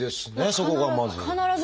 そこがまず。